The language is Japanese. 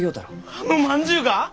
あのまんじゅうが！？